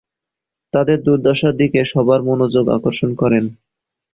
তাদের দুর্দশার দিকে সবার মনোযোগ আকর্ষণ করেন।